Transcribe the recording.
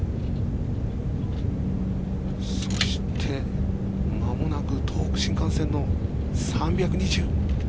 そしてまもなく東北新幹線の３２０。